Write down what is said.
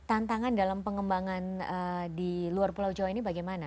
tantangan dalam pengembangan di luar pulau jawa ini bagaimana